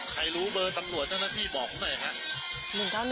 ใครรู้เบอร์ตำรวจนั่นนะพี่บอกหน่อยค่ะ